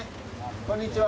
こんにちは。